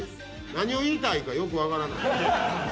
「何を言いたいかよくわからない」。